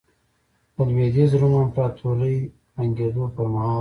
د لوېدیځ روم امپراتورۍ ړنګېدو پرمهال وه.